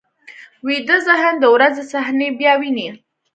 ویده ذهن د ورځې صحنې بیا ویني